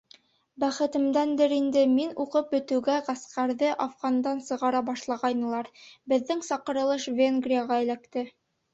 Бәхетемдәндер инде, мин уҡып бөтөүгә, ғәскәрҙе Афғандан сығара башлағайнылар, беҙҙең саҡырылыш Венгрияға эләкте.